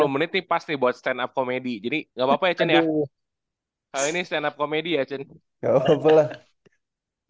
menit dipasih buat stand up comedy jadi nggak papa ya ini stand up comedy ya cinti ya walaupun